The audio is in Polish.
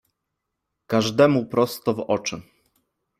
każdemu prosto w oczy.